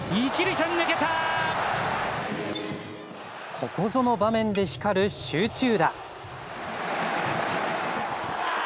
ここぞの場面で光る集中打。